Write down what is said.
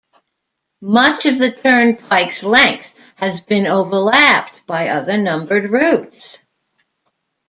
Much of the turnpike's length has been overlapped by other numbered routes.